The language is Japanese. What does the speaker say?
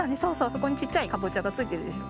そこにちっちゃいかぼちゃがついてるでしょ？